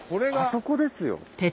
あそこですよ。